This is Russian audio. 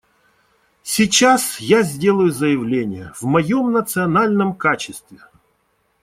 Сейчас я сделаю заявление в моем национальном качестве.